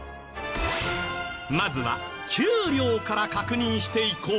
まずは給料から確認していこう。